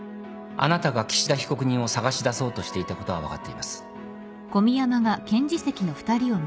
あなたが岸田被告人を捜し出そうとしていたことは分かっています。